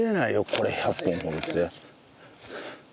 これ１００本掘るって。